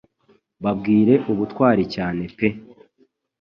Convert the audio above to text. Babwire ubutwari cyane pe